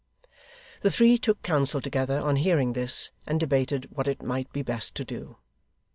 The three took counsel together, on hearing this, and debated what it might be best to do.